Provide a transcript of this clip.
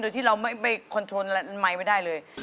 โดยที่เราไม่คอนโทรไมค์ไม่ได้เลย